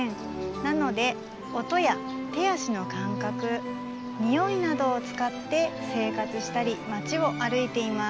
なので音や手足のかんかくにおいなどをつかって生活したり町を歩いています。